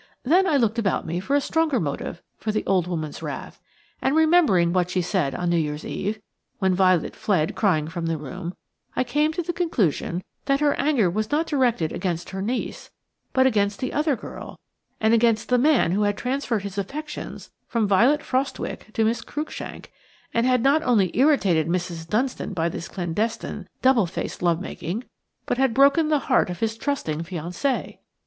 Then I looked about me for a stronger motive for the old lady's wrath; and, remembering what she said on New Year's Eve, when Violet fled crying from the room, I came to the conclusion that her anger was not directed against her niece, but against the other girl, and against the man who had transferred his affections from Violet Frostwicke to Miss Cruikshank, and had not only irritated Mrs. Dunstan by this clandestine, double faced love making, but had broken the heart of his trusting fiancée.